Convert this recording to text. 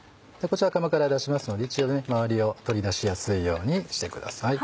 こちら釜から出しますので１度周りを取り出しやすいようにしてください。